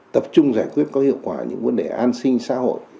tập trung giải quyết có hiệu quả những vấn đề an sinh xã hội